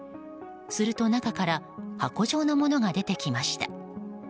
すると中から箱状のものが出てきました。